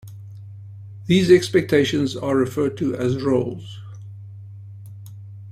These expectations are referred to as roles.